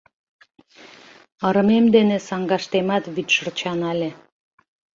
Ырымем дене саҥгаштемат вӱд шырча нале.